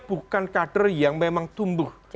bukan kader yang memang tumbuh